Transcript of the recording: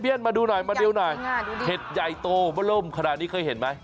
เพี้ยนมาดูหน่อยเห็ดใหญ่โตบร่ำขนาดนี้เคยเห็นไหม